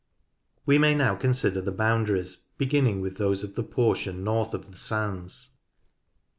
We may now consider the boundaries, beginning with those of the portion north of the sands.